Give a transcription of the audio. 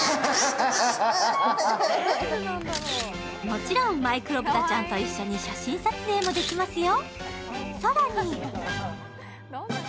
もちろんマイクロブタちゃんと一緒に写真撮影もできますよ。